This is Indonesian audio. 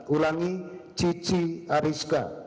ulangi cici ariska